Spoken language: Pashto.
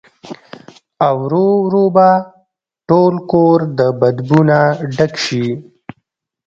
او ورو ورو به ټول کور د بدبو نه ډک شي